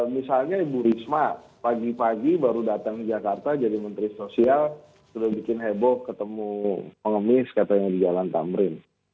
misalnya ibu risma pagi pagi baru datang ke jakarta jadi menteri sosial sudah bikin heboh ketemu pengemis katanya di jalan tamrin